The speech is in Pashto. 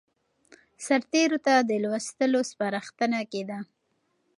سرتېرو ته د لوستلو سپارښتنه کېده.